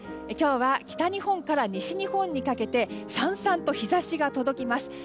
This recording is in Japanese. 今日は北日本から西日本にかけてさんさんと日差しが届きます。